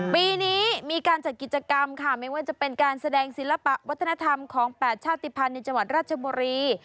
ปีนี้มีการจัดกิจกรรมค่ะไม่ว่าจะเป็นการแสดงศิลปะวัฒนธรรมของ๘ชาติภัณฑ์ในจังหวัดราชบุรี